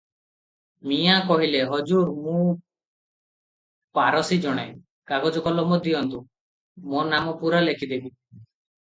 ମିଆଁ କହିଲେ, "ହଜୁର, ମୁଁ ପାରସି ଜାଣେ; କାଗଜ କଲମ ଦେଉନ୍ତୁ, ମୋ ନାମ ପୂରା ଲେଖିଦେବି ।